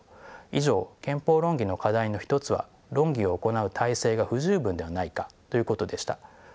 以上憲法論議の課題の一つは論議を行う体制が不十分ではないかということでした。